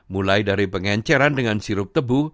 mulai dari pengenceran dengan sirup tebu